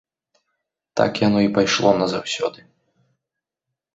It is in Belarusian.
Так яно і пайшло назаўсёды.